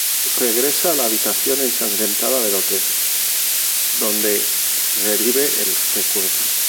Regresa a la habitación ensangrentada del hotel, donde revive el recuerdo.